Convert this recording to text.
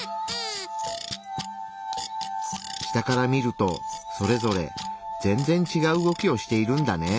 下から見るとそれぞれ全然違う動きをしているんだね。